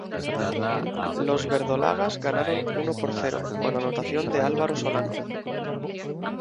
Los verdolagas ganaron uno por cero, con anotación de Álvaro Solano.